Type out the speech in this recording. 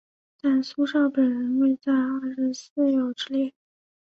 但苏绍本人未在二十四友之列。